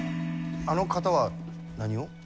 あの方は何を？